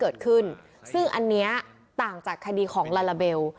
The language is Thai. ซึ่งอันนี้ต่างจากคดีของลาลาเบล